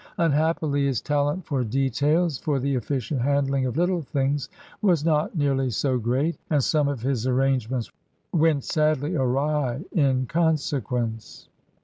Unhappily his talent for details, for the efiicient handling of little things, was not 4 50 CRUSADERS OF NEW FRANCE nearly so great, and some of his arratigements went sadly awry in consequence.